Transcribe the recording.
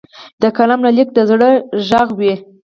د قلم لیک د زړه غږ وي.